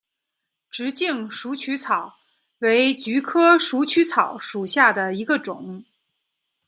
直茎鼠曲草为菊科鼠曲草属下的一个种。